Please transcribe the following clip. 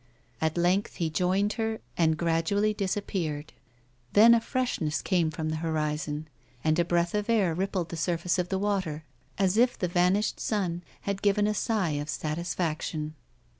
At length he joined her, and gradually disappeared. Then a freshness came from the horizon, and a breath of air rippled the surface of the water as if the vanished sun had given a sigh of satisfaction.